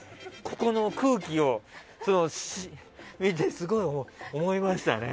ここの空気を見てすごい思いましたね。